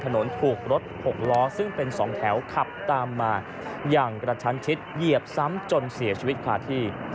กระเด็นไปกลางถนนถูกรถหกล้อซึ่งเป็นสองแถวขับตามมาอยากระชันชิดเหยียบซ้ำจนเสียชีวิตคาที่